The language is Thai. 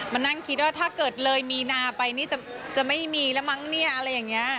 มานั่งคิดว่าถ้าเกิดเลยมีนาไปนี่จะไม่มีแล้วมั้งเนี่ยอะไรอย่างนี้